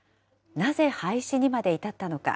なぜ廃止にまで至ったのか。